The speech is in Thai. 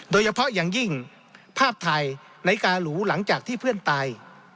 โดยเฉพาะอย่างยิ่งภาพถ่ายนาฬิกาหรูหลังจากที่เพื่อนตาย